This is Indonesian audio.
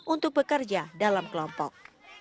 untuk bekerja dalam kekuatan